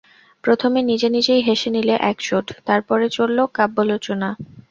প্রথমে নিজে নিজেই হেসে নিলে এক চোট, তার পরে চলল কাব্যালোচনা।